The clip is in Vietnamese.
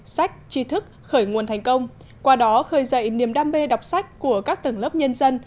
sách tri thức khởi nguồn thành công qua đó khơi dậy niềm đam mê đọc sách của các tầng lớp nhân dân